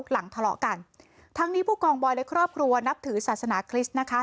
หลังทะเลาะกันทั้งนี้ผู้กองบอยและครอบครัวนับถือศาสนาคริสต์นะคะ